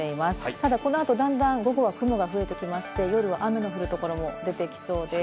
ただこの後、だんだん午後は雲が増えてきまして、夜は雨の降る所も出てきそうです。